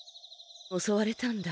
おそわれたんだ。